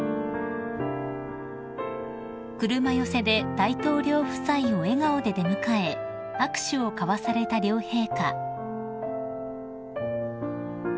［車寄せで大統領夫妻を笑顔で出迎え握手を交わされた両陛下］